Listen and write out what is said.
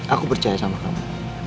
aku percaya sama kamu